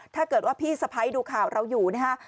ถ้าเกิดว่าพี่สะพ้ายดูข่าวเราอยู่นะฮะ